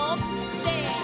せの！